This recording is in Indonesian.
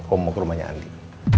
om mau ke rumahnya andin